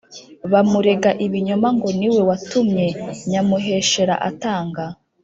bamurega ibinyoma ngo ni we watumye nyamuheshera atanga